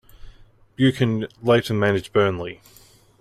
Buchan later managed Burnley.